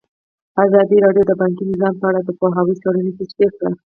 ازادي راډیو د بانکي نظام په اړه د پوهانو څېړنې تشریح کړې.